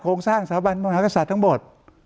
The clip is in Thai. โครงสร้างสถาบันมหากษัตริย์ทั้งหมด